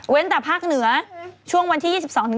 แต่ภาคเหนือช่วงวันที่๒๒